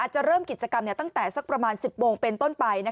จะเริ่มกิจกรรมตั้งแต่สักประมาณ๑๐โมงเป็นต้นไป